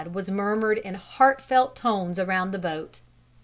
was murmured in heartfelt tones round the boat.